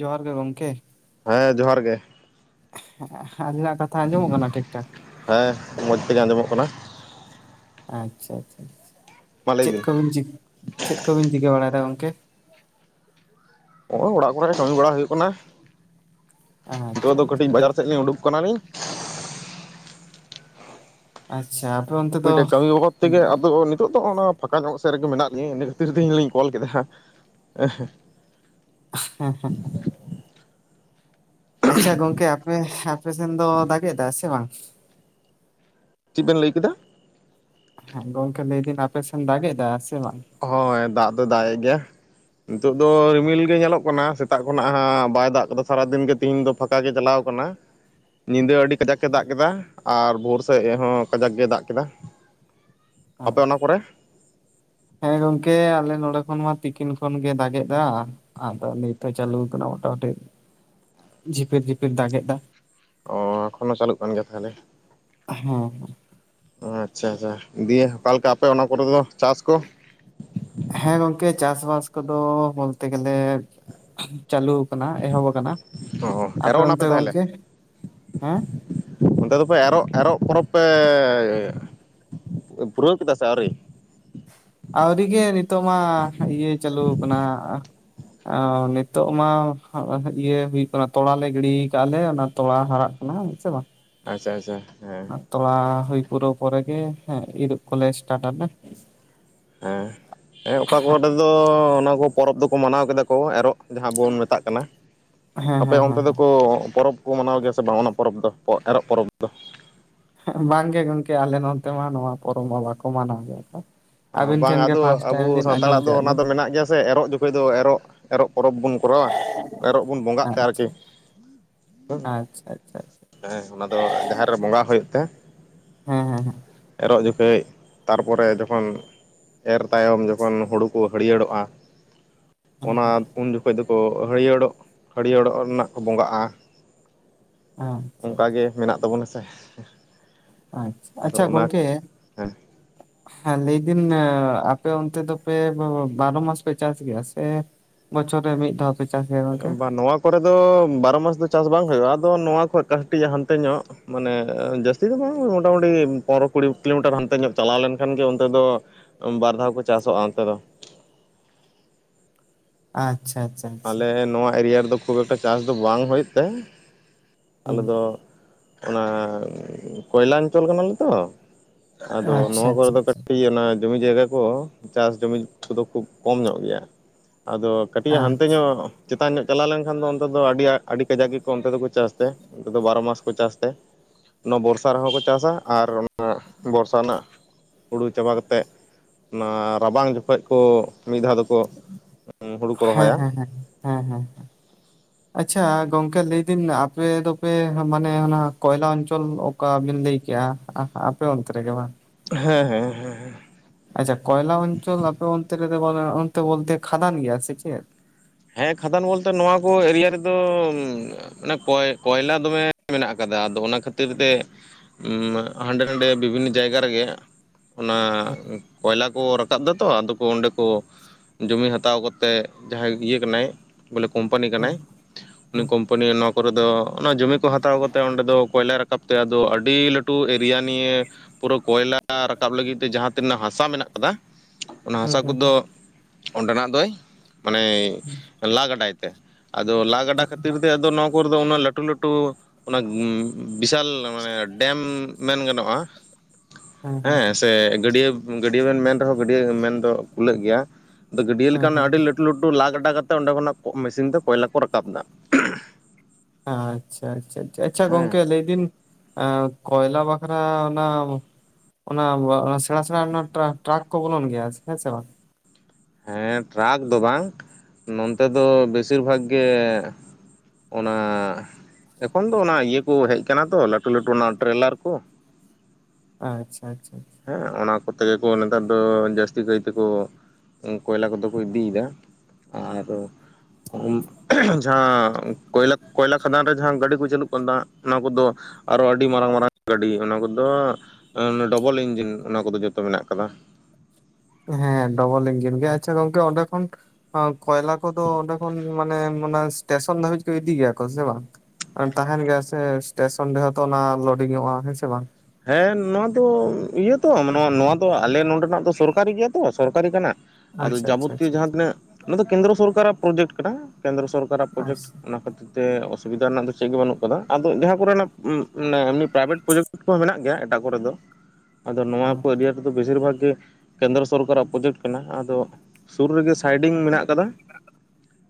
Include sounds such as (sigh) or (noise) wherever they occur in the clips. ᱡᱚᱦᱟᱨ ᱜᱮ ᱜᱚᱝᱠᱮ, ᱦᱮᱸ ᱡᱚᱦᱟᱨ ᱜᱮ, ᱟᱞᱤᱧᱟᱜ ᱠᱟᱛᱷᱟ ᱟᱸᱡᱚᱢᱚᱜ ᱠᱟᱱᱟ ᱴᱷᱤᱠ ᱴᱷᱟᱠ? ᱦᱮᱸ ᱢᱚᱡᱽ ᱛᱮᱜᱮ ᱟᱸᱡᱚᱢᱚᱜ ᱠᱟᱱᱟ᱾ ᱟᱪᱪᱷᱟ ᱟᱪᱪᱷᱟ ᱢᱟ ᱞᱟᱹᱭ ᱪᱮᱫ ᱵᱤᱱ ᱠᱚᱵᱤᱱ ᱪᱤᱜ ᱪᱮᱫ ᱠᱚᱵᱤᱱ ᱪᱤᱠᱟᱹ ᱵᱟᱲᱟᱭᱮᱫᱟ ᱜᱚᱝᱠᱮ? ᱱᱚᱜᱼᱚᱭ ᱚᱲᱟᱜ ᱠᱚᱨᱮ ᱠᱟᱹᱢᱤ ᱵᱟᱲᱟ ᱦᱩᱭᱩᱜ ᱠᱟᱱᱟ ᱱᱤᱛᱚᱜ ᱟᱪᱪᱷᱟ ᱫᱚ ᱟᱪᱪᱷᱟ ᱠᱟᱹᱴᱤᱡ ᱵᱟᱡᱟᱨ ᱥᱮᱡ ᱞᱤᱧ ᱩᱰᱩᱠ ᱠᱟᱱᱟᱞᱤᱧ᱾ ᱟᱪᱪᱷᱟ ᱟᱯᱮ ᱚᱱᱛᱮ ᱫᱚ ᱢᱤᱫᱴᱮᱝ ᱠᱟᱹᱢᱤ ᱵᱟᱵᱚᱫ ᱛᱮᱜᱮ ᱟᱫᱚ ᱱᱤᱛᱚᱜ ᱫᱚ ᱚᱱᱟ, ᱯᱷᱟᱸᱠᱟ ᱧᱚᱜ ᱥᱮᱜ ᱨᱮᱜᱮ ᱢᱮᱱᱟᱜ ᱞᱤᱧᱟᱹ ᱤᱱᱟᱹ ᱠᱷᱟᱹᱛᱤᱨ ᱛᱮ ᱤᱧ ᱞᱤᱧ ᱠᱚᱞ ᱠᱮᱫᱟ᱾ ᱦᱩᱸ ᱦᱩᱸ ᱦᱤᱸ ᱟᱪᱪᱷᱟ ᱜᱚᱝᱠᱮ ᱟᱯᱮ ᱟᱯᱮᱥᱱ ᱫᱚ ᱫᱟᱜᱮ ᱫᱟ ᱥᱮ ᱵᱟᱝ? ᱪᱤᱜ ᱵᱮᱱ ᱞᱟᱹᱭ ᱠᱮᱫᱟ, ᱦᱮᱸ ᱜᱚᱝᱠᱮ ᱞᱟᱹᱭᱫᱤᱱ ᱟᱯᱮᱥᱮᱱ ᱫᱟᱜᱮ ᱫᱟ ᱥᱮ ᱵᱟᱝ? ᱦᱚᱭ ᱫᱟᱜᱽ ᱫᱚ ᱫᱟᱜᱽ ᱮᱜ ᱜᱮᱭᱟ᱾ ᱱᱤᱛᱳᱜ ᱫᱚ ᱨᱤᱢᱤᱞ ᱜᱮ ᱧᱮᱞᱚᱜ ᱠᱟᱱᱟ ᱥᱮᱛᱟᱜ ᱠᱷᱚᱱᱟᱜ ᱦᱟᱸᱜ ᱵᱟᱭ ᱫᱟᱜᱽ ᱠᱟᱫᱟ ᱥᱟᱨᱟᱫᱤᱱ ᱜᱮ ᱛᱤᱦᱤᱧ ᱫᱚ, ᱯᱷᱟᱸᱠᱟ ᱜᱮ ᱪᱟᱞᱟᱣ ᱠᱟᱱᱟ᱾ ᱧᱤᱫᱟᱹ ᱟᱹᱰᱤ ᱠᱟᱡᱟᱠ ᱮ ᱫᱟᱜᱽ ᱠᱮᱫᱟ ᱟᱨ ᱵᱷᱳᱨ ᱥᱮᱜ ᱦᱚᱸ ᱠᱟᱡᱟᱠ ᱜᱮᱭ ᱫᱟᱜᱽ ᱠᱮᱫᱟ᱾ ᱟᱯᱮ ᱚᱱᱟ ᱟᱪᱪᱷᱟ, ᱠᱚᱨᱮ ᱦᱮᱸ ᱜᱚᱝᱠᱮ ᱟᱞᱮ ᱱᱚᱰᱮ ᱠᱷᱚᱱ ᱢᱟ ᱛᱤᱠᱤᱱ ᱠᱷᱚᱱ ᱜᱮ ᱫᱟᱜᱮᱠ ᱫᱟ᱾ ᱟᱫᱚ ᱱᱤᱛ ᱦᱚᱸ ᱪᱟᱹᱞᱩᱣ ᱠᱟᱱᱟ ᱢᱚᱴᱟᱢᱩᱴᱤ ᱡᱷᱤᱯᱤᱨ ᱡᱷᱤᱯᱤᱨ ᱫᱟᱜᱮᱫ ᱫᱟ, ᱚᱻ ᱮᱠᱷᱚᱱ ᱦᱚᱸ ᱪᱟᱹᱞᱩᱜ ᱠᱟᱱ ᱜᱮᱭᱟ ᱛᱟᱦᱞᱮ᱾ ᱦᱮᱸ ᱟᱪᱪᱷᱟ ᱟᱪᱪᱷᱟ ᱫᱤᱭᱮ ᱚᱠᱟᱞᱮᱠᱟ ᱟᱯᱮ ᱚᱱᱟ ᱠᱚᱨᱮ ᱫᱚ ᱪᱟᱥ ᱠᱚ? ᱦᱮᱸ ᱜᱚᱝᱠᱮ ᱪᱟᱥᱵᱟᱥ ᱠᱚᱫᱚ ᱵᱚᱞᱛᱮ ᱜᱮᱞᱮ ᱪᱟᱞᱩ, ᱪᱟᱞᱩ ᱠᱟᱱᱟ ᱮᱦᱳᱵ ᱠᱟᱱᱟ᱾ᱮᱦᱚᱵ ᱟᱠᱟᱱᱟ ᱚ ᱟᱯᱮ ᱮᱨᱚᱜ ᱚᱱᱛᱮ ᱱᱟᱯᱮ ᱛᱟᱦᱚᱞᱮ ᱜᱚᱝᱠᱮ ᱦᱮᱸ, ᱚᱱᱛᱮ ᱫᱚ ᱯᱮ ᱮᱨᱚᱜ ᱮᱨᱚᱜ ᱯᱚᱨᱚᱵᱽ ᱯᱮ ᱯᱩᱨᱟᱹᱣ ᱠᱮᱫᱟ ᱥᱮ ᱟᱹᱣᱨᱤ? ᱟᱣᱨᱤᱜᱮ ᱱᱤᱛᱚᱜ ᱢᱟ ᱤᱭᱟᱹ ᱪᱟᱹᱞᱩᱣ ᱠᱟᱱᱟ, ᱟᱨ ᱱᱤᱛᱚᱜ ᱢᱟ ᱤᱭᱟᱹ ᱦᱩᱭᱩᱜ ᱠᱟᱱᱟ ᱛᱚᱲᱟ ᱞᱮ ᱜᱤᱲᱤ ᱠᱟᱜ-ᱟ ᱞᱮ ᱚᱱᱟ ᱛᱚᱲᱟ ᱦᱟᱨᱟᱜ ᱠᱟᱱᱟ ᱥᱮ ᱵᱟᱝ᱾ ᱟᱪᱪᱷᱟ ᱟᱪᱪᱷᱟ ᱦᱮᱸ, ᱛᱚᱞᱟ ᱦᱩᱭ ᱯᱩᱨᱟᱹᱣ ᱯᱚᱨᱮᱜᱮ ᱤᱨᱚᱜ ᱠᱚᱞᱮ ᱥᱴᱟᱴᱟᱫᱟ ᱞᱮ (inaudible) ᱮᱸ ᱚᱠᱟ ᱠᱚᱨᱮ ᱫᱚ ᱚᱱᱟ ᱠᱚ ᱯᱚᱨᱚᱵᱽ ᱫᱚᱠᱚ ᱢᱟᱱᱟᱣ ᱠᱮᱫᱟ ᱠᱚ ᱮᱨᱚᱜ ᱡᱟᱦᱟᱸ ᱵᱚᱱ ᱢᱮᱛᱟᱜ ᱠᱟᱱᱟ᱾ ᱦᱮᱸ ᱟᱯᱮ ᱦᱮᱸ ᱚᱱᱛᱮ ᱦᱮᱸ ᱫᱚᱠᱚ ᱯᱚᱨᱚᱵᱽ ᱠᱚ ᱢᱟᱱᱟᱣ ᱜᱮᱭᱟ ᱥᱮ ᱵᱟᱝ? ᱚᱱᱟ ᱯᱚᱨᱚᱵᱽ ᱫᱚ ᱮᱨᱚᱜ ᱯᱚᱨᱚᱵᱽ ᱫᱚ, ᱵᱟᱝ ᱜᱮ ᱜᱚᱝᱠᱮ ᱟᱞᱮ ᱱᱚᱱᱛᱮ ᱢᱟ ᱱᱚᱣᱟ ᱯᱚᱨᱚᱵᱽ ᱢᱟ ᱵᱟᱠᱚ ᱢᱟᱱᱟᱣ ᱜᱮᱭᱟ ᱠᱚ, ᱚ ᱟᱹᱵᱤᱱ ᱵᱟᱝ ᱴᱷᱮᱱ ᱜᱮ ᱟᱫᱚ ᱯᱷᱟᱥᱴ ᱟᱵᱚ ᱴᱟᱭᱤᱢ ᱞᱤᱧ ᱟᱸᱡᱚᱢ ᱥᱟᱱᱛᱟᱲᱟᱜ ᱫᱚ ᱠᱮᱫ ᱚᱱᱟ ᱞᱤᱧ ᱫᱚ ᱢᱮᱱᱟᱜ ᱜᱮᱭᱟ ᱥᱮ ᱮᱨᱚᱜ ᱡᱚᱠᱷᱚᱡ ᱫᱚ ᱮᱨᱚᱜ, ᱮᱨᱚᱜ ᱯᱚᱨᱚᱵᱽ ᱵᱚᱱ ᱠᱚᱨᱟᱣᱟ ᱮᱨᱚᱜ ᱵᱚᱱ ᱵᱚᱸᱜᱟᱜ ᱛᱮ ᱟᱪᱪᱷᱟ ᱟᱨᱠᱤ, ᱦᱩᱸ (inaudible) ᱦᱮᱸ ᱚᱱᱟ ᱫᱚ ᱡᱟᱦᱮᱨ ᱨᱮ ᱵᱚᱸᱜᱟ ᱦᱩᱭᱩᱜ ᱛᱮ ᱦᱮᱸ ᱦᱮᱸ ᱦᱮᱸ ᱮᱨᱚᱜ ᱡᱚᱠᱷᱮᱡᱼᱼ ᱛᱟᱨ ᱯᱚᱨᱮ ᱡᱚᱠᱷᱚᱱ ᱮᱨ ᱛᱟᱭᱚᱢ ᱡᱚᱠᱷᱚᱱ ᱦᱩᱲᱩ ᱠᱚ ᱦᱟᱹᱲᱭᱟᱹᱲᱚᱜ-ᱟ, ᱚᱱᱟ ᱩᱱ ᱡᱚᱠᱷᱚᱡ ᱫᱚᱠᱚ ᱦᱟᱹᱲᱭᱟᱹᱲᱚᱜ ᱦᱟᱹᱲᱭᱟᱹᱲᱚᱜ ᱨᱮᱱᱟᱜ ᱠᱚ ᱵᱚᱸᱜᱟᱜ-ᱟ᱾ ᱟᱪᱪᱷᱟ ᱚᱱᱠᱟᱜᱮ ᱟᱪᱪᱷᱟ ᱢᱮᱱᱟᱜ ᱛᱟᱵᱚᱱᱟ ᱥᱮᱼᱼ ᱟᱪᱷᱟ ᱟᱪᱪᱷᱟ ᱜᱚᱝᱠᱮᱼᱼ ᱦᱮᱸ ᱞᱟᱹᱭᱫᱤᱱ ᱟᱯᱮ ᱚᱱᱛᱮ ᱫᱚᱯᱮ ᱵᱟᱨᱚ ᱢᱟᱥ ᱯᱮ ᱪᱟᱥ ᱜᱮᱭᱟ? ᱥᱮᱼᱼ ᱵᱚᱪᱷᱚᱨ ᱨᱮ ᱢᱤᱫ ᱫᱷᱟᱣ ᱯᱮᱼᱼ ᱵᱟᱝ ᱱᱚᱣᱟ ᱠᱚᱨᱮ ᱫᱚ ᱵᱟᱨᱚ ᱢᱟᱥ ᱫᱚ ᱪᱟᱥ ᱵᱟᱝ ᱦᱩᱭᱩᱜ-ᱟ ᱟᱫᱚ ᱱᱚᱣᱟ ᱠᱷᱚᱡ ᱠᱟ. ᱦᱴᱤᱡ ᱦᱟᱱᱛᱮ ᱧᱚᱜᱼᱼ ᱢᱟᱱᱮ ᱡᱟᱥᱛᱤ ᱫᱚ ᱵᱟᱝ ᱢᱚᱴᱟᱢᱩᱴᱤ ᱯᱚᱱᱨᱚ ᱠᱩᱲᱤ ᱠᱤᱞᱳᱢᱤᱴᱟᱨ ᱦᱟᱱᱛᱮ ᱧᱚᱜ ᱪᱟᱞᱟᱣ ᱞᱮᱱᱠᱷᱟᱱ ᱜᱮ ᱚᱱᱛᱮ ᱫᱚᱼᱼ ᱵᱟᱨ ᱫᱷᱟᱣ ᱠᱚ ᱪᱟᱥᱚᱜ-ᱟ ᱚᱱᱛᱮ ᱫᱚ, ᱟᱪᱪᱷᱟ-ᱟᱪᱪᱷᱟ ᱟᱞᱮ ᱱᱚᱣᱟ ᱮᱨᱤᱭᱟ ᱨᱮᱫᱚ ᱠᱷᱩᱵ ᱮᱠᱴᱟ ᱪᱟᱥ ᱫᱚ ᱵᱟᱝ ᱦᱩᱭᱩᱜ ᱛᱮ, ᱟᱞᱮ ᱦᱩᱸ ᱫᱚᱼᱼ ᱚᱱᱟ ᱠᱚᱭᱞᱟᱧ ᱚᱧᱪᱚᱞ ᱠᱟᱱᱟᱞᱮ ᱛᱚᱼᱼ ᱟᱫᱚ ᱟᱪᱪᱷᱟ ᱱᱚᱣᱟ ᱠᱚᱨᱮ ᱫᱚ ᱟᱪᱪᱷᱟ ᱟᱪᱪᱷᱟ ᱠᱟᱹᱴᱤᱡ ᱚᱱᱟᱼᱼ ᱡᱩᱢᱤ ᱡᱟᱭᱜᱟ ᱠᱚ ᱪᱟᱥ ᱡᱩᱢᱤ ᱠᱚᱫᱚ ᱠᱷᱩᱵ ᱠᱚᱢ ᱧᱚᱜ ᱜᱮᱭᱟ, ᱟᱫᱚ ᱠᱟᱹᱴᱤᱡ ᱦᱟᱱᱛᱼᱼ ᱟᱪᱪᱷᱟ ᱚ ᱪᱮᱛᱟᱱ ᱧᱚᱜ ᱪᱟᱞᱟᱣ ᱞᱮᱱᱠᱷᱟᱱ ᱫᱚ ᱚᱱᱛᱮ ᱫᱚ ᱟᱹᱰᱤ ᱟᱹᱰᱤ ᱠᱟᱡᱟᱠ ᱜᱮᱠᱚ ᱚᱱᱛᱮ ᱫᱚᱠᱚ ᱪᱟᱥ ᱛᱮ, ᱩᱱᱠᱩ ᱫᱚ ᱵᱟᱨᱚ ᱢᱟᱥ ᱠᱚ ᱪᱟᱥ ᱛᱮ ᱚᱱᱟ ᱵᱚᱨᱥᱟ ᱨᱮᱦᱚᱸ ᱠᱚᱼᱼ ᱪᱟᱥᱟ ᱟᱨ ᱚᱱᱟ ᱵᱚᱨᱥᱟ ᱨᱮᱱᱟᱜᱼᱼ ᱦᱩᱲᱩ ᱪᱟᱵᱟ ᱠᱟᱛᱮᱜ ᱚᱱᱟ ᱨᱟᱵᱟᱝ ᱡᱚᱠᱷᱚᱡ ᱠᱚ ᱢᱤᱫ ᱫᱷᱟᱣ ᱫᱚᱼᱼ ᱠᱚ ᱦᱩᱲᱩ ᱠᱚ ᱨᱚᱦᱚᱭᱟ᱾ ᱦᱮᱸ-ᱦᱮᱸ-ᱦᱮᱸ ᱟᱪᱪᱷᱟ ᱜᱚᱝᱠᱮ ᱞᱟᱹᱭ ᱫᱟᱹᱧ ᱟᱯᱮ ᱫᱚᱯᱮ ᱢᱟᱱᱮ ᱚᱱᱟ ᱠᱚᱭᱞᱟ ᱚᱧᱪᱚᱞᱼᱼ ᱚᱠᱟ ᱵᱤᱱ ᱞᱟᱹᱭ ᱠᱮᱜ-ᱟ ᱟᱯᱮ ᱚᱱᱛᱮ ᱨᱮᱜᱮ ᱵᱟᱝ? ᱦᱮᱸ-ᱦᱮᱸ-ᱦᱮ ᱦᱮᱸ-ᱦᱮᱸ ᱟᱪᱪᱷᱟ ᱠᱚᱭᱞᱟ ᱚᱧᱪᱚᱞ ᱟᱯᱮ ᱚᱱᱛᱮ ᱨᱮᱫᱚ (unintelligible) ᱚᱱᱛᱮ ᱵᱚᱞᱛᱮ ᱠᱷᱟᱫᱟᱱ ᱜᱮᱭᱟ ᱥᱮ ᱪᱮᱫ? ᱦᱮᱸ ᱠᱷᱟᱫᱟᱱ ᱵᱚᱞᱛᱮ ᱱᱚᱣᱟ ᱠᱚ ᱮᱨᱤᱭᱟ ᱨᱮᱫᱚᱻᱢᱼᱼ ᱢᱟᱱᱮ ᱠᱚᱭ ᱠᱚᱭᱞᱟ ᱫᱚᱢᱮ ᱢᱮᱱᱟᱜ ᱠᱟᱫᱟ ᱟᱫᱚ ᱚᱱᱟ ᱠᱷᱟᱹᱛᱤᱨ ᱛᱮᱼᱼ ᱦᱟᱸᱰᱮ-ᱱᱟᱸᱰᱮ ᱵᱤᱵᱷᱤᱱᱱᱚ ᱡᱟᱭᱜᱟ ᱨᱮᱜᱮ ᱚᱱᱟᱼᱼ ᱦᱩᱸ ᱠᱚᱭᱞᱟ ᱠᱚ ᱨᱟᱠᱟᱵ ᱫᱟ ᱛᱚ ᱟᱫᱚ ᱠᱚ ᱚᱸᱰᱮᱠᱚ ᱡᱚᱢᱤ ᱦᱟᱛᱟᱣ ᱠᱟᱛᱮᱜ ᱡᱟᱦᱟᱸᱭᱼᱼ ᱤᱭᱟᱹ ᱠᱟᱱᱟᱭ ᱵᱚᱞᱮ ᱠᱳᱢᱯᱟᱱᱤ ᱦᱩᱸ ᱠᱟᱱᱟᱭ ᱦᱩᱸ ᱩᱱᱤ ᱠᱳᱢᱯᱼᱼ ᱯᱟᱱᱤ ᱱᱚᱣᱟ ᱠᱚᱨᱮ ᱫᱚ ᱚᱱᱟ ᱡᱚᱢᱤ ᱠᱚ ᱦᱟᱛᱟᱣ ᱠᱟᱛᱮ ᱚᱸᱰᱮ ᱫᱚ ᱠᱚᱭᱞᱟ ᱨᱟᱠᱟᱵ ᱛᱮ ᱟᱫᱚ ᱟᱹᱰᱤ ᱞᱟᱹᱴᱩᱼᱼ ᱞᱟᱹᱴᱩ ᱮᱨᱤᱭᱟ ᱱᱤᱭᱮ ᱯᱩᱨᱟᱹ ᱠᱚᱭᱞᱟ ᱨᱟᱠᱟᱵ ᱞᱟᱹᱜᱤᱫ ᱛᱮ ᱡᱟᱦᱟᱸ ᱛᱤᱱᱟᱹᱜ ᱦᱟᱥᱟ ᱢᱮᱱᱟᱜᱼᱼ ᱠᱟᱱᱟ ᱚᱱᱟ ᱦᱟᱸᱥᱟ ᱦᱩᱸ ᱦᱩᱸ ᱠᱚᱫᱚ ᱚᱸᱰᱮᱱᱟᱜ ᱫᱚᱭ ᱢᱟᱱᱮᱭᱼᱼ ᱞᱟ ᱜᱟᱰᱟᱭ ᱛᱮ ᱟᱫᱚ ᱞᱟ ᱜᱟᱰᱟ ᱠᱷᱟᱹᱛᱤᱨ ᱛᱮ ᱟᱫᱚ ᱱᱚᱣᱟᱼᱼ ᱠᱳᱨ ᱫᱚ ᱩᱱᱟᱹᱜ ᱞᱟᱹᱴᱩ-ᱞᱟᱹᱴᱩ ᱚᱱᱟ ᱵᱤᱥᱟᱞᱼᱼ ᱚᱱᱚ ᱢᱟᱱᱮ ᱰᱮᱢ ᱢᱮᱱ ᱜᱟᱱᱚᱜ-ᱟ, ᱦᱩᱸ ᱦᱩᱸ ᱦᱮᱸ ᱥᱮ ᱜᱟᱹᱰᱭᱟᱹ-ᱜᱟᱹᱰᱭᱟᱹ ᱵᱮᱱ ᱢᱮᱱ ᱨᱮᱦᱚᱸ ᱜᱟᱹᱰᱭᱟᱹ ᱢᱮᱱᱫᱚ ᱠᱩᱞᱟᱹᱜ ᱜᱮᱭᱟ ᱟᱫᱚ ᱜᱟᱹᱰᱭᱟᱹ ᱦᱩᱸ ᱦᱩᱸ ᱞᱮᱠᱟᱱᱟᱜ ᱟᱹᱰᱤ ᱞᱟᱹᱴᱩ-ᱞᱟᱹᱴᱩᱼᱼ ᱴᱩ ᱞᱟ ᱜᱟᱰᱟ ᱠᱟᱛᱮ ᱚᱸᱰᱮ ᱠᱷᱚᱱᱟᱜ ᱢᱮᱥᱤᱱ ᱛᱮ ᱠᱚᱭᱞᱟ ᱠᱚ ᱨᱟᱠᱟᱵ ᱫᱟ᱾ ᱟᱪᱪᱷᱟ ᱟᱪᱪᱷᱟ ᱟᱪᱪᱷᱟ ᱦᱮᱸ ᱜᱚᱝᱠᱮ ᱞᱟᱹᱭᱫᱤᱱ ᱮᱸ ᱠᱚᱭᱞᱟ ᱵᱟᱠᱷᱨᱟ ᱚᱱᱟ ᱚᱱᱟ ᱥᱮᱬᱟ ᱥᱮᱬᱟ ᱚᱱᱟ ᱴᱨᱟᱠ ᱠᱚ ᱵᱚᱞᱚᱱ ᱜᱮᱭᱟ ᱦᱮᱸᱥᱮ ᱵᱟᱝ? ᱦᱮᱸ ᱴᱮᱨᱟᱠ ᱫᱚ ᱵᱟᱝ, ᱱᱚᱱᱛᱮ ᱫᱚ ᱵᱮᱥᱤᱨ ᱵᱷᱟᱜᱽ ᱜᱮ ᱚᱱᱟ ᱮᱠᱷᱚᱱ ᱫᱚ ᱚᱱᱟ ᱤᱭᱟᱹ ᱠᱚ ᱦᱮᱡ ᱟᱠᱟᱱᱟ ᱛᱚ ᱞᱟᱹᱴᱩ ᱞᱟᱹᱴᱩ ᱚᱱᱟ ᱴᱨᱮᱞᱟᱨ ᱠᱚ᱾ ᱟᱪᱪᱷᱟ ᱟᱪᱪᱷᱟ ᱪᱷᱟ᱾ ᱦᱮᱸ ᱚᱱᱟ ᱠᱚᱛᱮ ᱜᱮ ᱠᱚ ᱱᱮᱛᱟᱨ ᱫᱚ ᱡᱟᱹᱥᱛᱤ ᱠᱟᱭ ᱛᱮᱠᱚ ᱠᱚᱭᱞᱟ ᱠᱚᱫᱚ ᱠᱚ ᱤᱫᱤᱭᱮᱫᱟ ᱟᱨ ᱡᱟᱦᱟᱸ ᱠᱚᱭᱞᱟ ᱠᱚᱭᱞᱟ ᱠᱷᱟᱫᱟᱱ ᱨᱮ ᱡᱟᱦᱟᱸ ᱜᱟᱹᱰᱤ ᱠᱚ ᱪᱟᱹᱞᱩᱜ ᱠᱟᱱ ᱛᱟᱦᱮᱸ, ᱱᱚᱣᱟ ᱠᱚᱫᱚ ᱟᱨᱚ ᱟᱹᱰᱤ ᱢᱟᱨᱟᱝ ᱢᱟᱨᱟᱝ ᱜᱟᱹᱰᱤ ᱚᱱᱟ ᱠᱚᱫᱚ ᱰᱚᱵᱚᱞ ᱤᱧ ᱡᱤᱱ ᱚᱱᱟ ᱠᱚᱫᱚ ᱡᱚᱛᱚ ᱢᱮᱱᱟᱜ ᱠᱟᱫᱟ᱾ ᱦᱮᱸ ᱰᱚᱵᱚᱞ ᱤᱧᱡᱤᱱ ᱜᱮ ᱟᱪᱪᱷᱟ ᱜᱚᱝᱠᱮ ᱚᱸᱰᱮ ᱠᱷᱚᱱ ᱦᱚᱸ ᱠᱚᱭᱞᱟ ᱠᱚᱫᱚ ᱚᱸᱰᱮ ᱠᱷᱚᱱ ᱢᱟᱱᱮ ᱥᱴᱮᱥᱚᱱ ᱫᱷᱟᱹᱵᱤᱡ ᱠᱚ ᱤᱫᱤ ᱜᱮᱭᱟ ᱠᱚ ᱥᱮ ᱵᱟᱝ? ᱛᱟᱸᱦᱮᱱ ᱜᱮᱭᱟ ᱥᱮ ᱴᱮᱥᱚᱱ ᱨᱮᱦᱚᱛᱚ ᱚᱱᱟ ᱞᱳᱰᱤᱝ ᱚᱼᱟ ᱦᱮᱸ ᱥᱮ ᱵᱟᱝ? ᱦᱮᱸ ᱱᱚᱣᱟ ᱫᱚ ᱤᱭᱟᱹ ᱛᱚ ᱱᱚᱣᱟ ᱫᱚ ᱟᱞᱮ ᱱᱚᱰᱮᱱᱟᱜ ᱫᱚ ᱥᱚᱨᱠᱟᱨᱤ ᱜᱮᱭᱟ ᱛᱚ ᱥᱚᱨᱠᱟᱨᱤ ᱠᱟᱱᱟ᱾ ᱟᱫᱚ ᱟᱪᱪᱷᱟ ᱟᱪᱪᱷᱟ ᱡᱟᱵᱚᱛᱤᱭᱚ ᱟᱪᱪᱷᱟ ᱡᱟᱦᱟᱸ ᱛᱤᱱᱟᱹᱜ ᱚᱱᱟ ᱫᱚ ᱠᱮᱱᱫᱨᱚ ᱥᱚᱨᱠᱟᱨᱟᱜ ᱯᱨᱚᱡᱮᱠᱴ ᱠᱟᱱᱟ ᱠᱮᱱᱫᱨᱚ ᱥᱚᱨ ᱠᱟᱨᱟᱜ ᱯᱨᱚᱡᱮᱠᱴ ᱟᱪᱪᱷᱟ ᱚᱱᱟ ᱠᱷᱟᱹᱛᱤᱨ ᱛᱮ ᱚᱥᱩᱵᱤᱫᱟ ᱨᱮᱱᱟᱜ ᱫᱚ ᱪᱮᱫ ᱜᱮ ᱵᱟᱹᱱᱩᱜ ᱠᱟᱫᱟ, ᱟᱫᱚ ᱡᱟᱦᱟᱸ ᱠᱚᱨᱮᱱᱟᱜ ᱢᱮ ᱮᱢᱱᱤ ᱯᱨᱟᱭᱵᱷᱮᱴ ᱯᱨᱚᱡᱮᱠᱴ ᱠᱚᱦᱚᱸ ᱢᱮᱱᱟᱜ ᱜᱮᱭᱟ ᱮᱴᱟᱜ ᱠᱚᱨᱮ ᱫᱚ, ᱟᱫᱚ ᱱᱚᱣᱟ ᱠᱚ ᱤᱨᱤᱭᱟ ᱫᱚ ᱵᱮᱥᱤᱨ ᱵᱷᱟᱜ ᱜᱮ ᱠᱮᱱᱫᱨᱚ ᱥᱚᱨᱠᱟᱨᱟᱜ ᱯᱨᱚᱡᱮᱠᱴ ᱠᱟᱱᱟ, ᱟᱫᱚ ᱥᱩᱨ ᱨᱮᱜᱮ ᱥᱟᱭᱰᱤᱝ ᱢᱮᱱᱟᱜ ᱠᱟᱫᱟ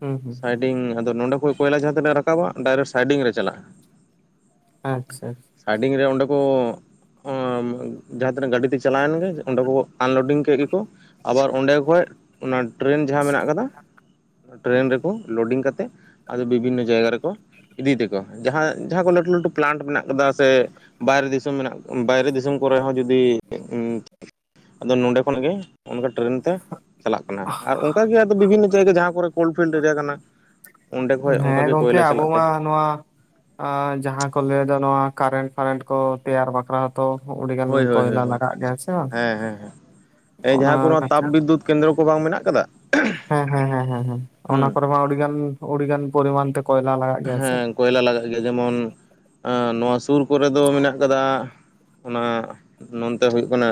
ᱦᱩᱸ ᱦᱩᱸ ᱥᱟᱭᱰᱤᱝ ᱟᱫᱚ ᱱᱚᱰᱮ ᱠᱚ ᱠᱳᱭᱞᱟ ᱡᱟᱦᱟᱸ ᱛᱱᱟᱹ ᱨᱟᱠᱟᱵᱟ ᱰᱟᱭᱨᱮᱠᱴ ᱥᱟᱭᱰᱤᱝ ᱨᱮ ᱪᱟᱞᱟᱜᱼᱟ᱾ ᱟᱪᱪᱷᱟ᱾ ᱥᱟᱭᱰᱤᱝ ᱨᱮ ᱚᱸᱰᱮ ᱠᱚ ᱡᱟᱦᱟᱸᱛᱤᱱᱟᱹᱜ ᱜᱟᱹᱰᱤᱛᱮ ᱪᱟᱞᱟᱣᱮᱱ ᱜᱮ ᱚᱸᱰᱮ ᱠᱚ ᱟᱱᱞᱳᱰᱤᱝ ᱠᱮᱫ ᱜᱮᱠᱚ, ᱟᱵᱟᱨ ᱚᱸᱰᱮ ᱠᱷᱚᱡ ᱚᱱᱟ ᱴᱨᱮᱱ ᱡᱟᱦᱟᱸ ᱢᱮᱱᱟᱜ ᱠᱟᱫᱟ, ᱴᱨᱮᱹᱱ ᱨᱮᱠᱚ ᱞᱳᱰᱤᱝ ᱠᱟᱛᱮᱫ ᱟᱫᱚ ᱵᱤᱵᱷᱤᱱᱱᱚ ᱡᱟᱭᱜᱟ ᱨᱮᱠᱚ ᱤᱫᱤᱭ ᱛᱟᱠᱚᱣᱟ, ᱡᱟᱦᱟᱸ ᱡᱟᱦᱟᱸ ᱠᱚ ᱞᱟᱹᱴᱩ ᱞᱟᱹᱴᱩ ᱯᱞᱟᱱᱴ ᱢᱮᱱᱟᱜ ᱠᱟᱫᱟ, ᱥᱮ ᱵᱟᱭᱨᱮ ᱫᱤᱥᱚᱢ ᱢᱮᱱᱟᱜ ᱵᱟᱭᱨᱮ ᱫᱤᱥᱚᱢ ᱠᱚᱨᱮ ᱦᱚᱸ ᱡᱩᱫᱤ ᱟᱫᱚ ᱱᱚᱸᱰᱮ ᱠᱷᱚᱱᱟᱜ ᱜᱮ ᱚᱱᱠᱟ ᱴᱨᱮᱹᱱ ᱛᱮ ᱪᱟᱞᱟᱜ ᱠᱟᱱᱟ, ᱟᱨ ᱚᱱᱠᱟ ᱜᱮ ᱵᱤᱵᱷᱤᱱᱱᱚ ᱡᱟᱭᱜᱟ ᱡᱟᱦᱟᱸ ᱠᱚᱨᱮ ᱠᱳᱞᱰᱯᱷᱤᱞᱰ ᱮᱨᱤᱭᱟ ᱠᱟᱱᱟ, ᱚᱸᱰᱮ ᱠᱷᱚᱡ ᱦᱮᱸ ᱚᱱᱠᱟᱜᱮ ᱜᱚᱢᱠᱮ ᱠᱚᱭᱞᱟ ᱟᱵᱚ ᱪᱟᱞᱟᱜ ᱛᱮ ᱢᱟ ᱱᱚᱣᱟ ᱟᱸ ᱡᱟᱦᱟᱸ ᱠᱚ ᱞᱟᱹᱭ ᱮᱫᱟ ᱱᱚᱣᱟ ᱠᱟᱨᱮᱱᱴ ᱯᱷᱟᱨᱮᱱᱴ ᱠᱚ ᱛᱮᱭᱟᱨ ᱵᱟᱠᱷᱨᱟ ᱛᱚ ᱟᱹᱰᱤ ᱜᱟᱱ ᱦᱳᱭ ᱦᱳᱭ ᱦᱳᱭ ᱠᱚᱭᱞᱟ ᱞᱟᱜᱟᱜ ᱜᱮᱭᱟ ᱥᱮ ᱵᱟᱝ? ᱦᱮᱸ ᱦᱮᱸ ᱦᱮᱸ ᱮᱸ ᱚᱱᱟ ᱡᱟᱦᱟᱸ ᱠᱚ ᱱᱚᱣᱟ ᱛᱟᱯ ᱠᱷᱟᱛᱤᱨ ᱵᱤᱫᱽᱫᱩᱛ ᱠᱮᱱᱫᱨᱚ ᱠᱚ ᱵᱟᱝ ᱢᱮᱱᱟᱜ ᱠᱟᱫᱟ? ᱠᱷᱩᱜ ᱦᱮᱸ ᱦᱮᱸ ᱦᱮᱸ ᱚᱱᱟ ᱦᱩᱸ ᱠᱚᱨᱮ ᱢᱟ ᱟᱹᱰᱤᱜᱟᱱ ᱟᱹᱰᱤᱜᱟᱱ ᱯᱚᱨᱤᱢᱟᱱ ᱛᱮ ᱠᱚᱭᱞᱟ ᱞᱟᱜᱟᱜ ᱜᱮᱭᱟ ᱥᱮ ᱦᱮᱸ ᱠᱚᱭᱞᱟ ᱞᱟᱜᱟᱜ ᱜᱮᱭᱟ, ᱡᱮᱢᱚᱱ ᱟᱸ ᱱᱚᱣᱟ ᱥᱩᱨ ᱠᱚᱨᱮ ᱫᱚ ᱢᱮᱱᱟᱜ ᱠᱟᱫᱟ ᱚᱱᱟ ᱱᱚᱱᱛᱮ ᱦᱩᱭᱩᱜ ᱠᱟᱱᱟ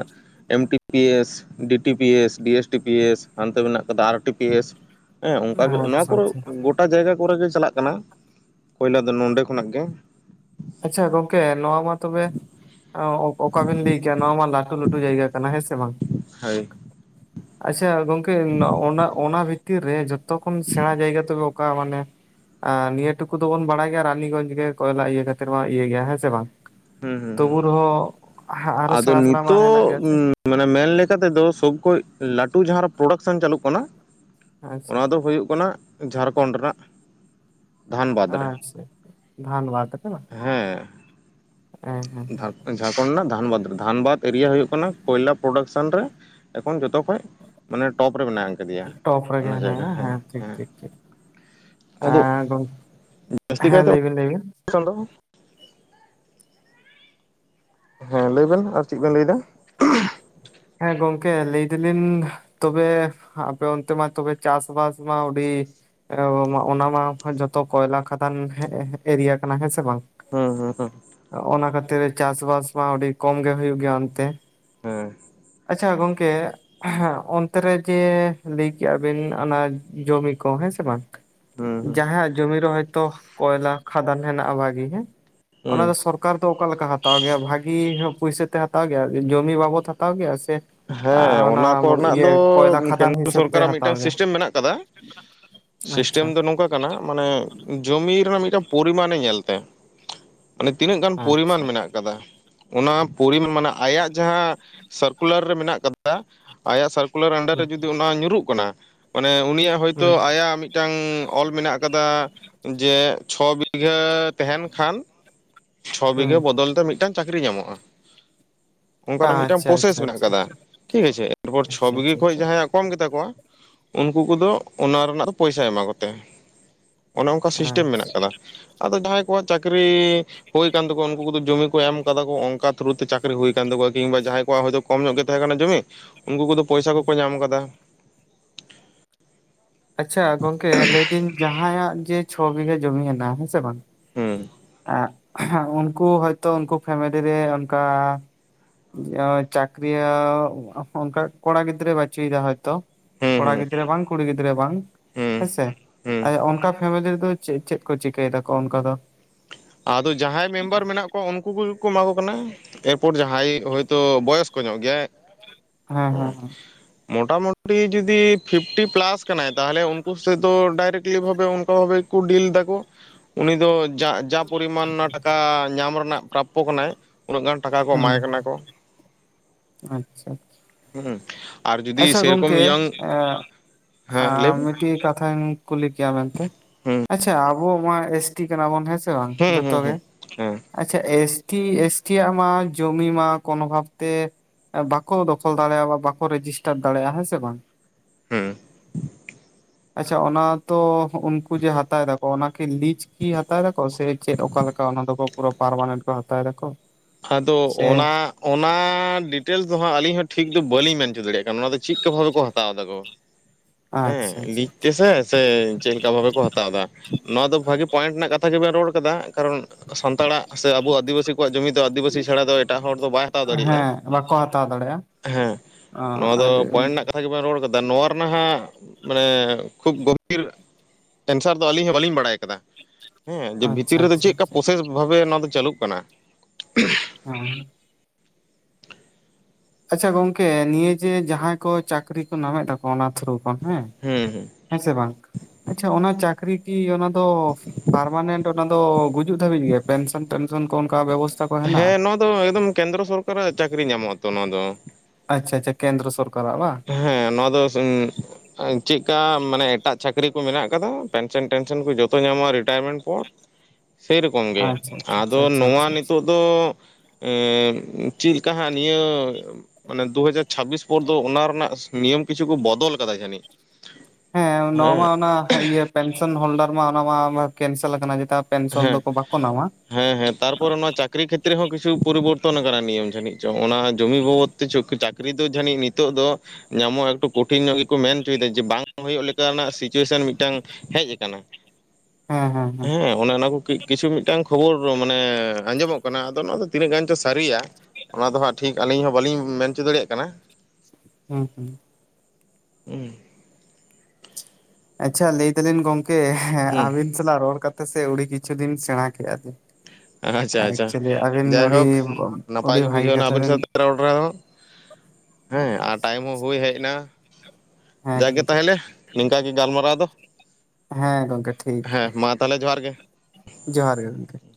M T P S, D T P S, D S T P S ᱦᱟᱸᱱᱛᱮ ᱢᱮᱱᱟᱜ ᱠᱟᱫᱟ ᱟᱨ ᱴᱤ ᱯᱤ ᱮᱥ, ᱦᱮᱸ ᱚᱱᱠᱟᱜᱮ ᱱᱚᱣᱟ ᱟᱪᱪᱷᱟ ᱠᱚᱨᱮ ᱟᱪᱪᱷᱟ ᱜᱚᱴᱟ ᱡᱟᱭᱜᱟ ᱠᱚᱨᱮ ᱜᱮ ᱪᱟᱞᱟᱜ ᱠᱟᱱᱟ, ᱠᱚᱭᱞᱟ ᱫᱚ ᱱᱚᱸᱰᱮ ᱠᱷᱚᱱᱟᱜ ᱜᱮ᱾ ᱟᱪᱪᱷᱟ ᱜᱚᱝᱠᱮ ᱱᱚᱣᱟ ᱢᱟ ᱛᱚᱵᱮ ᱟᱸ ᱚᱠᱟᱵᱤᱱ ᱞᱟᱹᱭ ᱠᱮᱭᱟ ᱱᱚᱣᱟ ᱢᱟ ᱞᱟᱹᱴᱩ ᱞᱟᱹᱴᱩ ᱡᱟᱭᱜᱟ ᱠᱟᱱᱟ ᱦᱮᱸ ᱥᱮ ᱵᱟᱝ? ᱦᱳᱭ ᱟᱪᱪᱷᱟ ᱜᱚᱝᱠᱮ ᱱᱚ ᱚᱱᱟ ᱚᱱᱟ ᱵᱷᱤᱛᱤᱨ ᱨᱮ ᱡᱷᱚᱛᱚ ᱠᱷᱚᱱ ᱥᱮᱬᱟ ᱡᱟᱭᱜᱟ ᱛᱚᱵᱮ ᱚ ᱠᱟ ᱢᱟᱱᱮ ᱱᱤᱭᱟᱹ ᱴᱩᱠᱩ ᱫᱚᱵᱚᱱ ᱵᱟᱲᱟᱭ ᱜᱮᱭᱟ ᱨᱟᱱᱤᱜᱚᱧᱡᱽ ᱜᱮ ᱠᱚᱭᱞᱟ ᱤᱭᱟᱹ ᱠᱟ ᱛᱮᱢᱟ ᱤᱭᱟᱹ ᱜᱮᱭᱟ ᱦᱮᱸ ᱥᱮ ᱵᱟᱝ? ᱦᱩᱸ ᱦᱩᱸ ᱦᱩᱸ ᱛᱚᱵᱩ ᱨᱮᱦᱚᱸ ᱟᱨᱚ ᱟᱫᱚ ᱥᱮᱬᱟ ᱥᱮᱬᱟ ᱢᱟ ᱦᱮᱱᱟᱜ ᱜᱮᱭᱟ ᱱᱤᱛᱚᱜ ᱥᱮ? ᱢᱟᱱᱮ ᱢᱮᱱ ᱞᱮᱠᱟᱛᱮᱫᱚ ᱥᱚᱵ ᱠᱷᱚᱡ ᱞᱟᱹᱴᱩ ᱡᱟᱦᱟᱸ ᱯᱨᱚᱰᱟᱠᱥᱮᱱ ᱪᱟᱹᱞᱩᱜ ᱠᱟᱱᱟ ᱟᱪᱪᱷᱟ ᱚᱱᱟ ᱫᱚ ᱦᱩᱭᱩᱜ ᱠᱟᱱᱟ ᱡᱷᱟᱲᱠᱷᱚᱱᱰ ᱨᱮᱱᱟᱜ, ᱫᱷᱟᱱᱵᱟᱫᱽ ᱨᱮ ᱟᱪᱪᱷᱟ ᱫᱷᱟᱱᱵᱟᱫᱽ ᱦᱮᱸ (unintelligible) ᱦᱮᱸ ᱦᱮᱸ ᱦᱮᱸ ᱡᱷᱟᱲᱠᱷᱚᱸᱰ ᱨᱮᱱᱟᱜ ᱫᱷᱟᱱᱵᱟᱫᱽ ᱫᱷᱟᱱᱵᱟᱫᱽ ᱮᱨᱤᱭᱟ ᱦᱩᱭᱩᱜ ᱠᱟᱱᱟ ᱠᱚᱭᱞᱟ ᱯᱨᱚᱰᱟᱠᱥᱚᱱ ᱨᱮ, ᱮᱠᱷᱚᱱ ᱡᱚᱛᱚᱠᱷᱚᱡ ᱢᱟᱱᱮ ᱴᱚᱯ ᱨᱮ ᱢᱮᱱᱟᱜ, ᱟᱠᱟᱫᱮᱭᱟ ᱴᱚᱯ ᱨᱮᱜᱮ ᱢᱮᱱᱟᱭᱟ ᱦᱮᱸ ᱴᱷᱤᱠ ᱴᱷᱤᱠ ᱴᱷᱤᱠ ᱟᱫᱚ ᱟᱸ ᱜᱚᱝ ᱡᱟᱹᱥᱛᱤ ᱦᱮᱸ, ᱠᱟᱭᱛᱮ ᱞᱟᱹᱭ ᱵᱤᱱ ᱞᱟᱹᱭ ᱵᱤᱱ (unintelligible) ᱦᱮᱸ ᱞᱟᱹᱭ ᱵᱮᱱ ᱟᱨ ᱪᱮᱫ ᱵᱮᱱ ᱞᱟᱹᱭ ᱫᱟ? ᱦᱮᱸ ᱜᱚᱝᱠᱮ ᱞᱟᱹᱭ ᱫᱟᱹᱞᱤᱧ ᱛᱚᱵᱮ ᱟᱯᱮ ᱚᱱᱛᱮ ᱢᱟ ᱛᱚᱵᱮ ᱪᱟᱥᱵᱟᱥ ᱢᱟ ᱚᱰᱤ ᱚᱱᱟ ᱢᱟ ᱡᱷᱚᱛᱚ ᱠᱚᱭᱞᱟ ᱠᱷᱟᱫᱟᱱ ᱮᱨᱤᱭᱟ ᱠᱟᱱᱟ ᱦᱮᱸ ᱥᱮ ᱵᱟᱝ? ᱦᱩᱸ ᱦᱩᱸ ᱦᱩᱸᱜ ᱚᱱᱟ ᱠᱷᱟᱹᱛᱤᱨ ᱪᱟᱥᱵᱟᱥ ᱢᱟ ᱟᱹᱰᱤ ᱠᱚᱢ ᱜᱮ ᱦᱩᱭᱩᱜ ᱜᱮᱭᱟ ᱚᱱᱛᱮ, ᱦᱮᱸ ᱟᱪᱪᱷᱟ ᱜᱚᱝᱠᱮ ᱦᱮᱸ ᱚᱱᱛᱮ ᱨᱮ ᱡᱮ ᱞᱟᱹᱭ ᱠᱮᱜᱼᱟ ᱵᱤᱱ ᱚᱱᱟ ᱡᱚᱢᱤ ᱠᱚ ᱦᱮᱸ ᱥᱮ ᱵᱟᱝ, ᱦᱩᱸ ᱦᱩᱸ ᱡᱟᱦᱟᱸᱭᱟᱜ ᱡᱚᱢᱤ ᱨᱮ ᱦᱚᱭ ᱛᱳ ᱠᱚᱭᱞᱟ ᱠᱷᱟᱫᱟᱱ ᱦᱮᱱᱟᱜᱼᱟ ᱵᱷᱟᱹᱜᱤ ᱦᱮᱸ ᱚᱱᱟ ᱦᱩᱸ ᱫᱚ ᱥᱚᱨ ᱥᱚᱨᱠᱟᱨ ᱫᱚ ᱚᱠᱟᱞᱮᱠᱟ ᱦᱟᱛᱟᱣ ᱜᱮᱭᱟ ᱵᱷᱟᱹᱜᱤ ᱯᱩᱭᱥᱟᱛᱮ ᱦᱟᱛᱟᱣ ᱜᱮᱭᱟ ᱡᱚᱢᱤ ᱵᱟᱵᱚᱫ ᱦᱟᱛᱟᱣ ᱜᱮᱭᱟ ᱥᱮ, ᱦᱮᱸ ᱚᱱᱟ ᱠᱚᱨᱮᱱᱟᱜ ᱤᱭᱟᱹ ᱫᱚ ᱠᱚᱭᱞᱟ ᱠᱷᱟᱫᱟᱱ ᱠᱟᱹᱢᱤ ᱦᱤᱥᱟᱹᱵ ᱛᱮ ᱥᱚᱨᱠᱟᱨᱟᱜ ᱦᱟᱛᱟᱣ ᱢᱤᱫᱴᱟᱝ ᱜᱮᱭᱟ ᱥᱤᱥᱴᱮᱢ ᱢᱮᱱᱟᱜ ᱠᱟᱫᱟ᱾ ᱟᱪᱪᱷᱟ ᱥᱤᱥᱴᱮᱢ ᱫᱚ ᱱᱚᱝᱠᱟ ᱠᱟᱱᱟ ᱢᱟᱱᱮ, ᱡᱚᱢᱤ ᱨᱮᱱᱟᱜ ᱢᱤᱫᱴᱟᱝ ᱯᱚᱨᱤᱢᱟᱱᱮ ᱧᱮᱞ ᱛᱮ ᱢᱟᱱᱮ ᱛᱤᱱᱟᱹᱜ ᱜᱟᱱ ᱯᱚᱨᱤᱢᱟᱱ ᱟᱪᱪᱷᱟ ᱢᱮᱱᱟᱜ ᱟᱠᱟᱫᱟ᱾ ᱚᱱᱟ ᱯᱚᱨᱤᱢᱟᱱ ᱢᱟᱱᱮ ᱟᱭᱟᱜ ᱡᱟᱦᱟᱸ ᱥᱟᱨᱠᱩᱞᱟᱨ ᱨᱮ ᱢᱮᱱᱟᱜ ᱠᱟᱫᱟ, ᱟᱭᱟᱜ ᱥᱟᱨᱠᱩᱞᱟᱨ ᱟᱱᱰᱟᱨ ᱨᱮ ᱦᱩᱸ ᱡᱩᱫᱤ ᱚᱱᱟ ᱧᱩᱨᱩᱜ ᱠᱟᱱᱟ ᱢᱟᱱᱮ ᱩᱱᱤᱭᱟᱜ ᱦᱳᱭ ᱦᱩᱸ ᱛᱳ ᱟᱭᱟᱜ ᱢᱤᱫᱴᱟᱝ ᱚᱞ ᱢᱮᱱᱟᱜ ᱟᱠᱟᱫᱟ ᱡᱮ ᱪᱷᱚ ᱵᱤᱜᱷᱟᱹ ᱛᱟᱸᱦᱮᱱ ᱠᱷᱟᱱ ᱪᱷᱚ ᱦᱩᱸ ᱵᱤᱜᱷᱟᱹ ᱵᱚᱫᱚᱞ ᱛᱮ ᱢᱤᱫᱴᱟᱝ ᱪᱟᱹᱠᱨᱤ ᱧᱟᱢᱚᱜᱼᱟ᱾ ᱚᱱᱠᱟᱱᱟᱜ ᱢᱤᱫᱴᱟᱝ ᱟᱪᱪᱷᱟ ᱟᱪᱪᱷᱟ ᱯᱨᱚᱥᱮᱥ ᱢᱮᱱᱟᱜ ᱟᱪᱪᱷᱟ ᱟᱠᱟᱫᱟ ᱟᱪᱪᱷᱟ ᱴᱷᱤᱠ ᱟᱪᱷᱮ ᱮᱨᱯᱚᱨ ᱪᱷᱚ ᱟᱪᱪᱷᱟ ᱵᱤᱜᱤ ᱠᱷᱚᱱ ᱟᱪᱪᱷᱟ ᱡᱟᱦᱟᱸᱭᱟᱜ ᱠᱚᱢ ᱜᱮᱛᱟ ᱠᱚᱣᱟ ᱩᱱᱠᱩ ᱠᱚᱫᱚ ᱚᱱᱟ ᱨᱮᱱᱟᱜ ᱫᱚ ᱯᱚᱭᱥᱟᱭ ᱮᱢᱟ ᱠᱚᱛᱮ, ᱚᱱᱮ ᱚᱱᱠᱟ ᱥᱤᱥᱴᱮᱢ ᱟᱪᱪᱷᱟ ᱢᱮᱱᱟᱜ ᱟᱠᱟᱫᱟ ᱟᱫᱚ ᱡᱟᱦᱟᱸᱭ ᱠᱚᱣᱟᱜ ᱪᱟᱹᱠᱨᱤ ᱦᱩᱭ ᱠᱟᱱ ᱛᱟᱠᱚᱣᱟ ᱩᱱᱠᱩ ᱠᱚᱫᱚ ᱡᱚᱢᱤ ᱠᱚ ᱮᱢ ᱠᱟᱫᱟ ᱠᱚ ᱚᱱᱠᱟ ᱛᱷᱨᱩ ᱛᱮ ᱪᱟᱹᱠᱨᱤ ᱦᱩᱭ ᱠᱟᱱ ᱛᱟᱠᱚᱣᱟ ᱠᱤᱢᱵᱟ ᱡᱟᱦᱟᱸᱭ ᱠᱚᱣᱟᱜ ᱦᱚᱭ ᱛᱳ ᱠᱚᱢ ᱧᱚᱜ ᱜᱮ ᱛᱟᱦᱮᱸ ᱠᱟᱱᱟ ᱡᱚᱢᱤ ᱩᱱᱠᱩ ᱠᱚᱫᱚ ᱯᱚᱭᱥᱟ ᱠᱚᱠᱚ ᱧᱟᱢ ᱟᱠᱟᱫᱟ᱾ ᱟᱪᱷᱟ ᱜᱚᱝᱠᱮ ᱞᱟᱹᱭ ᱫᱟᱹᱧ ᱡᱟᱦᱟᱸᱭᱟᱜ ᱡᱮ ᱪᱷᱚ ᱵᱤᱜᱷᱟᱹ ᱡᱚᱢᱤ ᱢᱮᱱᱟᱜᱼᱟ ᱦᱮᱸᱥᱮ ᱵᱟᱝ, ᱦᱮᱸ ᱩᱱᱠᱩ ᱦᱚᱭ ᱛᱚ ᱩᱱᱠᱩ ᱯᱷᱮᱢᱮᱞᱤ ᱨᱮ ᱚᱱᱠᱟ ᱪᱟᱹᱠᱨᱤᱭᱟ ᱚᱱᱠᱟ ᱠᱚᱲᱟ ᱜᱤᱫᱽᱨᱟᱹ ᱵᱟᱪᱩᱭ ᱮᱫᱟ ᱦᱚᱭ ᱛᱚ ᱦᱩᱸ ᱠᱚᱲᱟ ᱦᱩᱸ ᱜᱤᱫᱽᱨᱟᱹ ᱵᱟᱝ ᱠᱩᱲᱤ ᱜᱤᱫᱽᱨᱟᱹ ᱵᱟᱝ ᱦᱩᱸ ᱦᱮᱸ ᱥᱮ ᱦᱩᱸ ᱮ ᱚᱱᱠᱟ ᱯᱷᱮᱢᱮᱞᱤ ᱨᱮᱫᱚ ᱪᱮᱫ ᱪᱮᱫ ᱠᱚ ᱪᱤᱠᱟᱹᱭ ᱫᱟᱠᱚ ᱚᱱᱠᱟ ᱫᱚ? ᱟᱫᱚ ᱡᱟᱦᱟᱸᱭ ᱢᱮᱢᱵᱟᱨ ᱢᱮᱱᱟᱜ ᱠᱚᱣᱟ ᱩᱱᱠᱩ ᱠᱚᱜᱮ ᱠᱚ ᱮᱢᱟ ᱠᱚ ᱠᱟᱱᱟ ᱮᱨ ᱯᱚᱨ ᱡᱟᱦᱟᱸᱭ ᱦᱚᱭ ᱛᱚ ᱵᱚᱭᱚᱥ ᱠᱚᱜ ᱧᱚᱜ ᱜᱮᱭᱟᱭ ᱦᱮᱸ ᱦᱮᱸ ᱦᱩᱸ ᱦᱮᱸ ᱢᱚᱴᱟ ᱢᱩᱴᱤ ᱡᱩᱫᱤ ᱯᱷᱤᱯᱴᱤ ᱯᱞᱟᱥ ᱠᱟᱱᱟᱭ ᱛᱟᱦᱚᱞᱮ ᱩᱱᱠᱩ ᱥᱮᱫ ᱫᱚ ᱰᱟᱭᱨᱮᱠᱴᱞᱤ ᱵᱷᱟᱵᱮ ᱚᱱᱠᱟ ᱵᱷᱟᱵᱮ ᱠᱩ ᱰᱤᱞ ᱫᱟᱠᱚ ᱩᱱᱤ ᱫᱚ ᱡᱟ ᱡᱟ ᱯᱚᱨᱤᱢᱟᱱ ᱚᱱᱟ ᱴᱟᱠᱟ ᱧᱟᱢ ᱨᱮᱱᱟᱜ ᱯᱨᱟᱯᱚ ᱠᱟᱱᱟᱭ, ᱩᱱᱟᱹᱜ ᱜᱟᱱ ᱴᱟᱠᱟ ᱠᱚ ᱮᱢᱟᱭ ᱦᱩᱸ ᱠᱟᱱᱟ ᱠᱚ ᱟᱪᱪᱷᱟ ᱦᱩᱸ ᱟᱨ ᱡᱩᱫᱤ ᱟᱪᱷᱟ ᱥᱮᱨᱚᱠᱚᱢ ᱜᱚᱢᱠᱮ ᱮᱸᱜ ᱤᱭᱚᱝ ᱦᱮᱸ ᱟᱸ ᱞᱟᱹᱭ ᱵᱤᱱ ᱢᱤᱫᱴᱤᱡ ᱠᱟᱛᱷᱟᱧ ᱠᱩᱞᱤ ᱠᱮᱭᱟ ᱢᱮᱱᱛᱮ, ᱦᱩᱸ ᱟᱪᱷᱟ ᱟᱵᱚ ᱢᱟ ᱮᱥ ᱴᱤ ᱠᱟᱱᱟ ᱵᱚᱱ ᱦᱮᱸ ᱥᱮ ᱵᱟᱝ ᱦᱩᱸ ᱦᱩᱸ ᱡᱷᱚᱛᱚᱜ ᱜᱮ? ᱦᱩᱸ ᱦᱮᱸ ᱟᱪᱷᱟ ᱮᱥ ᱴᱤ, ᱮᱥ ᱴᱤ ᱟᱜ ᱢᱟ ᱡᱚᱢᱤ ᱢᱟ ᱠᱚᱱᱚ ᱵᱷᱟᱵ ᱛᱮ ᱵᱟᱠᱚ ᱫᱚᱠᱷᱚᱞ ᱫᱟᱲᱮᱭᱟᱜᱼᱟ, ᱵᱟ ᱵᱟᱠᱚ ᱨᱮᱡᱤᱥᱴᱟᱨ ᱫᱟᱲᱮᱭᱟᱜᱼᱟ ᱦᱮᱸ ᱥᱮ ᱵᱟᱝ? ᱦᱩᱸ᱾ ᱟᱪᱷᱟ ᱚᱱᱟ ᱛᱚ ᱩᱱᱠᱩ ᱡᱮ ᱦᱟᱛᱟᱣ ᱫᱟ ᱚᱱᱟ ᱠᱤ ᱞᱤᱡ ᱠᱤ ᱦᱟᱛᱟᱣ ᱫᱟᱠᱚ? ᱥᱮ ᱪᱮᱫ ᱚᱠᱟ ᱞᱮᱠᱟ ᱚᱱᱟ ᱫᱚᱠᱚ ᱯᱩᱨᱟ ᱯᱟᱨᱢᱟᱱᱮᱱᱴ ᱠᱚ ᱦᱟᱛᱟᱣ ᱫᱟᱠᱚ᱾ ᱟᱫᱚ ᱥᱮ ᱚᱱᱟ ᱚᱱᱟ ᱰᱤᱴᱮᱞᱥ ᱫᱚ ᱦᱟᱸᱜ ᱟᱹᱞᱤᱧ ᱦᱚᱸ ᱴᱷᱤᱠ ᱫᱚ ᱵᱟᱹᱞᱤᱧ ᱢᱮᱱ ᱚᱪᱚ ᱫᱟᱲᱮᱭᱟᱜ ᱠᱟᱱᱟ, ᱚᱱᱟ ᱫᱚ ᱪᱮᱫᱠᱟ ᱵᱷᱟᱵᱮ ᱠᱚ ᱦᱟᱛᱟᱣ ᱫᱟ ᱠᱚ᱾ ᱦᱮᱸ ᱟᱪᱪᱷᱟ ᱟᱪᱪᱷᱟ ᱞᱤᱡ ᱛᱮᱥᱮ ᱥᱮ ᱪᱮᱫ ᱞᱮᱠᱟ ᱵᱷᱟᱵᱮ ᱠᱚ ᱦᱟᱛᱟᱣ ᱫᱟ, ᱱᱚᱣᱟ ᱫᱚ ᱵᱷᱟᱜᱮ ᱯᱚᱭᱮᱱᱴ ᱨᱮᱱᱟᱜ ᱠᱟᱛᱷᱟ ᱜᱮᱵᱮᱱ ᱨᱚᱲ ᱠᱟᱫᱟ ᱠᱟᱨᱚᱱ ᱥᱟᱱᱛᱟᱲᱟᱜ ᱥᱮ ᱟᱵᱚ ᱟᱹᱫᱤᱵᱟᱹᱥᱤ ᱠᱚᱣᱟᱜ ᱡᱚᱢᱤ ᱫᱚ ᱟᱹᱫᱤᱵᱟᱹᱥᱤ ᱪᱷᱟᱲᱟ ᱫᱚ ᱮᱴᱟᱜ ᱦᱚᱲ ᱫᱚ ᱵᱟᱭ ᱦᱟᱛᱟᱣ ᱫᱟᱲᱮ ᱦᱮᱸ ᱵᱟᱠᱚ ᱦᱟᱛᱟᱣ ᱫᱟᱲᱮᱭᱟᱜᱼᱟ ᱦᱮᱸ ᱚ, ᱱᱚᱣᱟ ᱫᱚ ᱟᱨ ᱯᱚᱭᱮᱱᱴ ᱨᱮᱱᱟᱜ ᱠᱟᱛᱷᱟ ᱜᱮᱵᱚᱱ ᱨᱚᱲ ᱠᱟᱫᱟ ᱱᱚᱣᱟ ᱨᱮᱱᱟᱜ ᱦᱟᱸᱜ ᱢᱟᱱᱮ ᱠᱷᱩᱵ ᱜᱚᱵᱷᱟᱹᱜᱤᱨ ᱮᱱᱥᱟᱨ ᱫᱚ ᱟᱹᱞᱤᱧ ᱦᱚᱸ ᱵᱟᱹᱞᱤᱧ ᱵᱟᱲᱟᱭ ᱠᱟᱫᱟ᱾ ᱦᱮᱸ ᱡᱮ ᱵᱷᱤᱛᱤᱨ ᱟᱪᱪᱷᱟ ᱨᱮᱫᱚ ᱟᱪᱪᱷᱟ ᱪᱮᱫ ᱠᱟ ᱟᱪᱪᱷᱟ ᱯᱨᱚᱥᱮᱥ ᱵᱷᱟᱵᱮ ᱱᱚᱣᱟ ᱫᱚ ᱪᱟᱹᱞᱩᱜ ᱠᱟᱱᱟ᱾ (inaudible) ᱟᱪᱷᱟ ᱜᱚᱝᱠᱮ ᱱᱤᱭᱟᱹ ᱡᱮ ᱡᱟᱦᱟᱸᱭ ᱠᱚ ᱪᱟᱹᱠᱨᱤ ᱠᱚ ᱧᱟᱢᱮᱫ ᱟᱠᱚ ᱚᱱᱟ ᱛᱷᱚᱨᱩ ᱠᱷᱚᱱ ᱦᱮᱸ ᱦᱩᱸ ᱦᱩᱸ᱾ ᱦᱮᱸ ᱥᱮ ᱵᱟᱝ? ᱟᱪᱪᱷᱟ ᱚᱱᱟ ᱪᱟᱹᱠᱨᱤ ᱠᱤ ᱚᱱᱟ ᱫᱚ ᱯᱟᱨᱢᱟᱱᱮᱱᱴ ᱚᱱᱟ ᱫᱚ ᱜᱩᱡᱩᱜ ᱫᱷᱟᱹᱵᱤᱡ ᱜᱮ ᱯᱮᱱ ᱥᱮᱱ, ᱯᱮᱱᱥᱚᱱ ᱠᱚ ᱚᱱᱠᱟ ᱵᱮᱵᱚᱥᱛᱟ ᱠᱚ ᱦᱮᱱᱟᱜᱼᱟ? ᱦᱮᱸ ᱱᱚᱣᱟ ᱫᱚ ᱮᱠᱫᱚᱢ ᱠᱮᱱᱫᱨᱚ ᱥᱚᱨᱠᱟᱨᱟᱜ ᱪᱟᱹᱠᱨᱤ ᱧᱟᱢᱚᱜ ᱟᱛᱚ ᱱᱚᱣᱟ ᱫᱚ᱾ ᱟᱪᱷᱟ ᱪᱷᱟ ᱠᱮᱱᱫᱨᱚ ᱥᱚᱨᱠᱟᱨᱟᱜ ᱵᱟᱝ? ᱦᱮᱸ ᱱᱚᱣᱟ ᱫᱚ ᱥᱚ ᱩᱸ ᱪᱮᱜᱠᱟ ᱢᱟᱱᱮ ᱮᱴᱟᱜ ᱪᱟᱹᱠᱨᱤ ᱠᱚ ᱢᱮᱱᱟᱜ ᱠᱟᱫᱟ ᱯᱮᱱᱥᱮᱱ ᱴᱮᱱᱥᱮᱱ ᱠᱚ ᱡᱷᱚᱛᱚ ᱧᱟᱢᱚᱜᱼᱟ ᱨᱤᱴᱟᱭᱟᱨᱢᱮᱱᱴ ᱯᱚᱨ᱾ (inaudible) ᱥᱮᱨᱚᱠᱚᱢ ᱜᱮ ᱟᱪᱪᱷᱟ ᱟᱪᱪᱷᱟ ᱟᱫᱚ ᱟᱪᱪᱷᱟ ᱟᱪᱪᱷᱟ ᱱᱚᱣᱟ ᱟᱪᱪᱷᱟ ᱱᱤᱛᱳᱜ ᱫᱚ ᱮᱸ ᱪᱮᱫ ᱞᱮᱠᱟ ᱦᱟᱸᱜ ᱱᱤᱭᱟᱹ ᱢᱟᱱᱮ ᱫᱩ ᱦᱟᱡᱟᱨ ᱪᱷᱟᱵᱵᱤᱥ ᱯᱚᱨ ᱫᱚ ᱚᱱᱟ ᱨᱮᱱᱟᱜ ᱱᱤᱭᱚᱢ ᱠᱤᱪᱷᱩ ᱠᱚ ᱵᱚᱫᱚᱞ ᱠᱟᱫᱟ ᱠᱚ ᱡᱟᱹᱱᱤᱡ᱾ ᱦᱮᱸ ᱱᱚᱣᱟ ᱢᱟ ᱚᱱᱟ ᱤᱭᱟᱹ ᱯᱮᱱᱥᱚᱱ ᱦᱳᱞᱰᱟᱨ ᱢᱟ ᱚᱱᱟ ᱢᱟ ᱠᱮᱱᱥᱮᱞ ᱠᱟᱱᱟ ᱡᱮᱴᱟ ᱯᱮᱱᱥᱚᱱ ᱦᱮᱸ ᱫᱚᱠᱚ ᱵᱟᱠᱚ ᱱᱟᱢᱟ᱾ ᱦᱮᱸ ᱦᱮᱸ ᱛᱟᱨᱯᱚᱨ ᱚᱱᱟ ᱪᱟᱠᱨᱤ ᱠᱷᱮᱛᱨᱮ ᱦᱚᱸ ᱠᱤᱪᱷᱩ ᱯᱚᱨᱤᱵᱚᱨᱛᱚᱱ ᱟᱠᱟᱱᱟ ᱱᱤᱭᱚᱢ ᱡᱟᱹᱱᱤᱡ ᱪᱚᱝ, ᱚᱱᱟ ᱡᱚᱢᱤ ᱵᱟᱵᱚᱛ ᱛᱮᱪᱚ ᱪᱟᱹᱠᱨᱤ ᱫᱚ ᱡᱟᱹᱱᱤᱡ ᱱᱤᱛᱚᱜ ᱫᱚ ᱧᱟᱢᱚᱜ ᱮᱠᱴᱩ ᱠᱚᱴᱷᱤᱱ ᱧᱚᱜ ᱜᱮᱠᱚ ᱢᱮᱱ ᱦᱚᱪᱚᱭᱮᱫᱟ ᱡᱮ ᱵᱟᱝ ᱦᱩᱭᱩᱜ ᱞᱮᱠᱟᱱᱟᱜ ᱥᱤᱪᱩᱭᱮᱥᱚᱱ ᱢᱤᱫᱴᱟᱝ ᱦᱮᱡ ᱟᱠᱟᱱᱟ ᱦᱮᱸ᱾ ᱚᱱᱮ ᱚᱱᱟ ᱠᱚ ᱠᱟᱹᱪ ᱠᱤᱪᱷᱩ ᱢᱤᱫᱴᱟᱝ ᱠᱷᱚᱵᱚᱨ ᱢᱟᱱᱮ ᱟᱸᱡᱚᱢᱚᱜ ᱠᱟᱱᱟ, ᱟᱫᱚ ᱚᱱᱟ ᱫᱚ ᱛᱤᱱᱟᱹᱜ ᱜᱟᱱ ᱪᱚ ᱥᱟᱹᱨᱤᱭᱟ ᱚᱱᱟ ᱫᱚ ᱦᱟᱸᱜ ᱴᱷᱤᱠ ᱟᱹᱞᱤᱧ ᱦᱚᱸ ᱵᱟᱹᱞᱤᱧ ᱢᱮᱱ ᱚᱪᱚ ᱫᱟᱲᱮᱭᱟᱜ ᱠᱟᱱᱟ᱾ ᱦᱩᱸ ᱦᱩᱸ᱾ ᱦᱩᱸ᱾ ᱟᱪᱪᱷᱟ ᱞᱟᱹᱭ ᱫᱟᱞᱤᱧ ᱜᱚᱝᱠᱮ ᱦᱩᱸ ᱟᱹᱵᱤᱱ ᱥᱟᱞᱟᱜ ᱨᱚᱲ ᱠᱟᱛᱮ ᱥᱮ ᱟ. ᱰᱤ ᱠᱤᱪᱷᱩ ᱞᱤᱧ ᱥᱮᱬᱟ ᱠᱮᱜᱼᱟ ᱞᱤᱧ᱾ ᱟᱪᱪᱷᱟ ᱟᱪᱪᱷᱟ ᱮᱠᱪᱩᱭᱮᱞᱤ ᱟᱹᱵᱤᱱ ᱟᱹᱰᱤ ᱡᱟᱭᱦᱳᱠ ᱱᱟᱯᱟᱭ ᱟᱹᱰᱤ ᱜᱮ ᱵᱷᱟᱹᱜᱤ ᱵᱩᱡᱷᱟᱹᱣ ᱮᱱᱟ ᱠᱟᱛᱷᱟ ᱟᱵᱤᱱ ᱵᱤᱱ ᱥᱟᱶᱛᱮ ᱨᱚᱲ ᱨᱮᱦᱚᱸ, ᱦᱮᱸ ᱟᱨ ᱴᱟᱭᱤᱢ ᱦᱚᱸ ᱦᱩᱭ ᱦᱮᱡ ᱱᱟ᱾ ᱦᱮᱸ ᱡᱟᱜᱮ ᱜᱚᱝᱠᱮ ᱛᱟᱦᱚᱞᱮ ᱱᱤᱝᱠᱮ ᱜᱟᱞᱢᱟᱨᱟᱣ ᱫᱚ᱾ ᱦᱮᱸ ᱜᱚᱝᱠᱮ ᱴᱷᱤᱠ ᱾ ᱛᱟᱦᱞᱮ ᱡᱚᱦᱟᱨ ᱜᱮ ᱾ ᱡᱚᱦᱟᱨ ᱜᱮ ᱜᱚᱝᱠᱮ ᱾